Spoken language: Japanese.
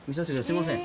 すいません。